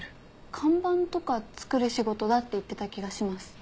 看板とか作る仕事だって言ってた気がします。